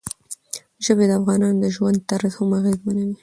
ژبې د افغانانو د ژوند طرز هم اغېزمنوي.